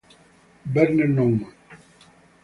Werner Naumann.